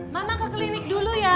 mama ke klinik dulu ya